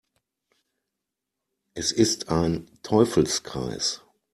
Es ist ein Teufelskreis.